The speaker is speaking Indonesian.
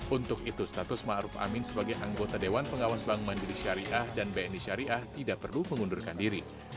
untuk itu status ⁇ maruf ⁇ amin sebagai anggota dewan pengawas bank mandiri syariah dan bni syariah tidak perlu mengundurkan diri